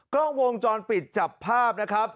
กล้องวงจรปิดจับภาพนะครับ